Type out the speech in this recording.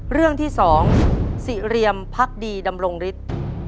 เรื่องที่๒สิเรียมพักดีดำรงฤทธิ์